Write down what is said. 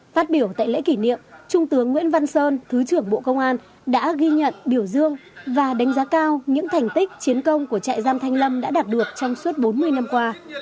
phát biểu tại lễ kỷ niệm trung tướng nguyễn văn sơn thứ trưởng bộ công an đã ghi nhận biểu dương và đánh giá cao những thành tích chiến công của trại giam thanh lâm đã đạt được trong suốt bốn mươi năm qua